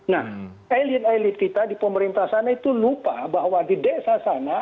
nah elit elit kita di pemerintah sana itu lupa bahwa di desa sana